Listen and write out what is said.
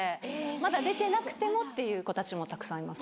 まだ出てなくてもという子たちもたくさんいます。